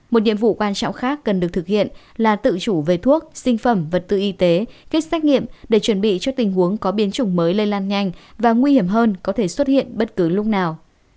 một nhiệm vụ quan trọng khác cần được thực hiện là tự chủ về thuốc sinh phẩm vật tư y tế kết xét nghiệm để chuẩn bị cho tình huống có biến chủng mới lây lan nhanh và nguy hiểm hơn có thể xuất hiện bất cứ lúc nào